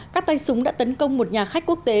các tay súng đã tấn công một nhà khách quốc tế